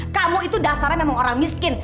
kamu itu dasarnya memang orang miskin